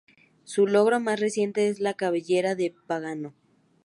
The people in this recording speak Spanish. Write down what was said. Su logro más reciente es la cabellera de pagano.